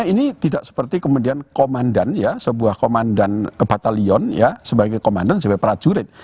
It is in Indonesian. ini tidak seperti kemudian komandan ya sebuah komandan ke batalion ya sebagai komandan sebagai prajurit